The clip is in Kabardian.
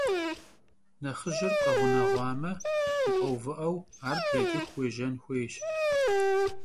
Nexhı jır kheğuneğuame, vukheuvı'eu ar bleç'ıxu vuêjen xuêyş.